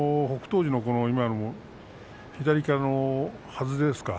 富士の左からのはずですか。